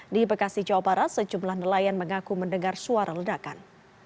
di bekasi jawa barat sejumlah nelayan mengaku mendengar suara ledakan